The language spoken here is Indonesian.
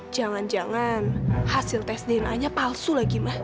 jangan jangan hasil tes dna nya palsu lagi mah